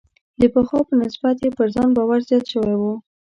د پخوا په نسبت یې پر ځان باور زیات شوی و.